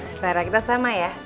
selera kita sama ya